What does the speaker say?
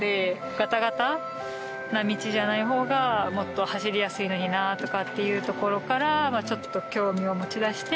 ガタガタな道じゃない方がもっと走りやすいのになとかっていうところからちょっと興味を持ちだして。